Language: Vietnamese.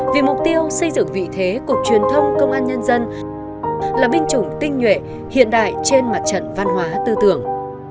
vì mục tiêu xây dựng vị thế cục truyền thông công an nhân dân là binh chủng tinh nhuệ hiện đại trên mặt trận văn hóa tư tưởng